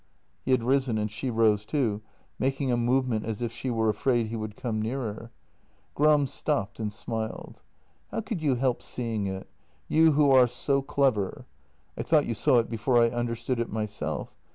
He had risen, and she rose too, making a movement as if she were afraid he would come nearer. Gram stopped and smiled :" How could you help seeing it — you who are so clever. I thought you saw it before I understood it myself.